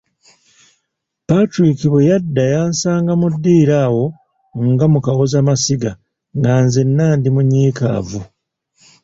Patrick bwe yadda yansanga mu ddiiro awo nga mu kawozamasiga, nga nzenna ndi munyiikaavu.